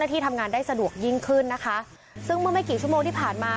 ที่ทำงานได้สะดวกยิ่งขึ้นนะคะซึ่งเมื่อไม่กี่ชั่วโมงที่ผ่านมา